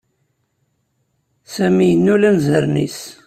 Sami yennul anzaren-is.